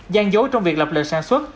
giang dối trong việc lập lệ sản xuất